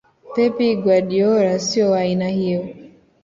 Pep Guardiola sio wa aina hiyo